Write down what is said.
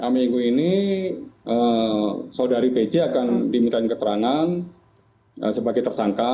minggu ini saudari pc akan dimintain keterangan sebagai tersangka